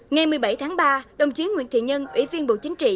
ngày một mươi bảy tháng ba đồng chí nguyễn thị nhân ủy viên bộ chính trị